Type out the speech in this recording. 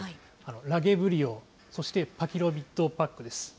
ラゲブリオ、そしてパキロビッドパックです。